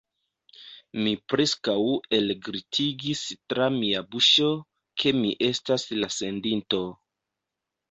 Mi preskaŭ elglitigis tra mia buŝo, ke mi estas la sendinto.